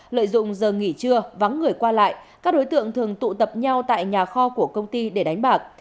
lợi dụng giờ nghỉ trưa vắng người qua lại các đối tượng thường tụ tập nhau tại nhà kho của công ty để đánh bạc